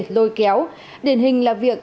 lôi kéo điển hình là việc